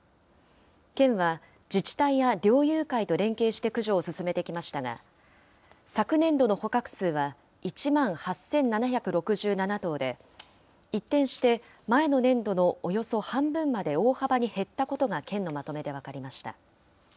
県は、自治体や猟友会と連携して駆除を進めてきましたが、昨年度の捕獲数は１万８７６７頭で、一転して前の年度のおよそ半分まで大幅に減ったことが県のまとめで分かりました。